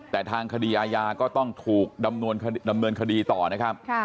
แต่ทางคดีอาญาก็ต้องถูกดำเนินคดีต่อนะครับ